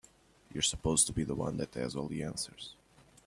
You're supposed to be the one that has all the answers.